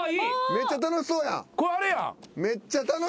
めっちゃ楽しそうやん。